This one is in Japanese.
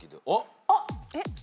あっ。